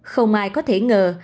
không ai có thể ngờ